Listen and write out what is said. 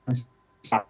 dan miskin itu mencakup